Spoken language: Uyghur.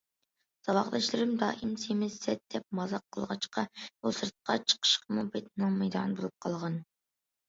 ساۋاقداشلىرى دائىم سېمىز، سەت دەپ مازاق قىلغاچقا ئۇ سىرتقا چىقىشقىمۇ پېتىنالمايدىغان بولۇپ قالغان.